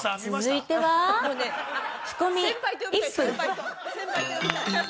◆続いては仕込み１分。